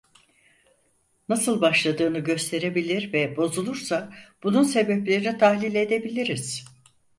Nasıl başladığını gösterebilir ve bozulursa bunun sebeplerini tahlil edebiliriz.